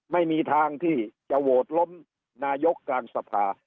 ไม่มีทางที่จะโหวตล้มนายกกลางสภา